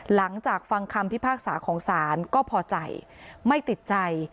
หลังจากฟังคำพิพากษาของศาลก็พอใจไม่ติดใจ